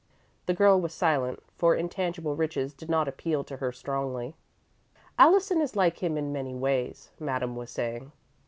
The girl was silent, for intangible riches did not appeal to her strongly. "Allison is like him in many ways," Madame was saying.